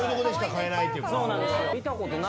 そうなんですよ。